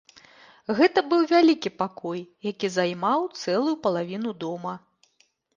Гэта быў вялікі пакой, які займаў цэлую палавіну дома.